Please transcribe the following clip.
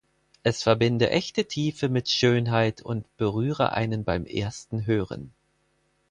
Es verbinde echte Tiefe mit Schönheit und berühre einen beim ersten Hören.